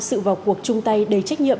sự vào cuộc chung tay đầy trách nhiệm